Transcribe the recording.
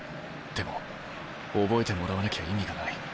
でも覚えてもらわなきゃ意味がない。